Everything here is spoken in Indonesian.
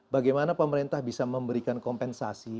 bagaimana pemerintah bisa memberikan kompensasi